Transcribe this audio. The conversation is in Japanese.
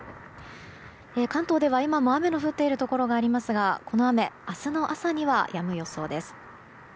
関東では今も雨の降っているところがありますがこの雨、明日の朝にはやむ予想です。